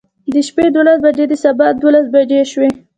د شپې دولس بجې د سبا دولس بجې شوې.